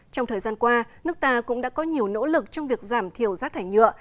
trong thời gian qua nước ta cũng đã có nhiều nỗ lực trong việc giảm thiểu rác thải nhựa